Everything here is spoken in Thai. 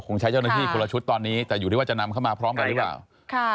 ใช้เจ้าหน้าที่คนละชุดตอนนี้แต่อยู่ที่ว่าจะนำเข้ามาพร้อมกันหรือเปล่าค่ะ